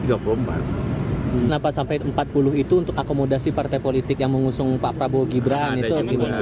kenapa sampai empat puluh itu untuk akomodasi partai politik yang mengusung pak prabowo gibran itu gimana